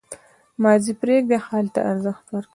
• ماضي پرېږده، حال ته ارزښت ورکړه.